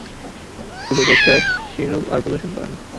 বিগতোচ্ছ্বাস সে রূপ আর প্রদর্শন করে না।